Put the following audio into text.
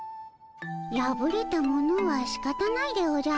やぶれたものはしかたないでおじゃる。